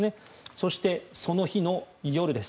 そして、その日の夜です。